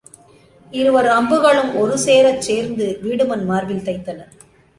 இருவர் அம்புகளும் ஒரு சேரச் சேர்ந்து வீடுமன் மார்பில் தைத்தன.